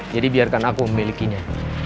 jadi biarkan aku memilikinya